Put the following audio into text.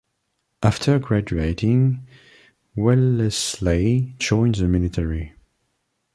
After graduating, Wellesley joined the military.